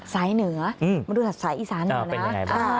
สายเหนือมนุษย์สายอีสานเหนือนะ